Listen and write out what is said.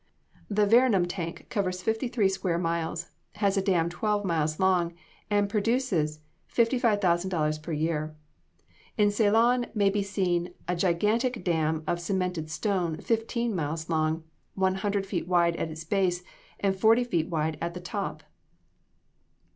The Veranum tank covers fifty three square miles, has a dam twelve miles long, and produces $55,000 per year. In Ceylon may be seen a gigantic dam of cemented stone, fifteen miles long, one hundred feet wide at the base, and forty feet wide at the top.